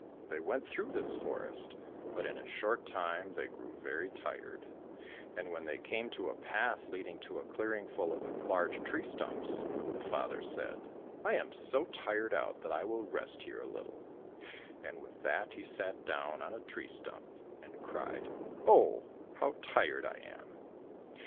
They went through this forest, but in a short time they grew very tired, and when they came to a path leading to a clearing full of large tree stumps, the father said, " I am so tired out that I will rest here a little," and with that he sat down on a tree stump and cried, " Oh, how tired I am